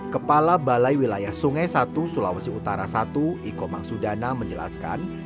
kepala balai wilayah sungai satu sulawesi utara i iko mang sudana menjelaskan